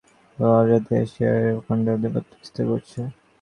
অপেক্ষাকৃত আধুনিক সময়ে এই মহাপ্রবল জাতি এশিয়া ও ইউরোপ খণ্ডে আধিপত্য বিস্তার করেছে।